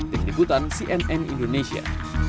dikikutan cnn indonesia